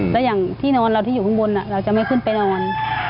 แล้วอย่างที่นอนเราที่อยู่ข้างบนเราจะไม่ขึ้นไปนอน